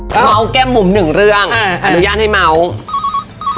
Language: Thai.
เมาส์แก้มบุ๋มหนึ่งเรื่องอนุญาตให้เมาส์